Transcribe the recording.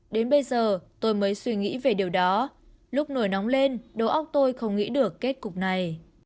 đến bây giờ tôi mới suy nghĩ về điều đó lúc nổi nóng lên đầu óc tôi không nghĩ được kết cục này